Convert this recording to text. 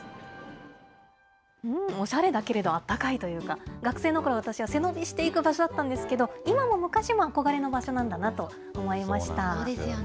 おしゃれだけれどあったかいというか、学生のころ、私は背伸びして行く場所だったんですけれども、今も昔も憧れの場そうですよね。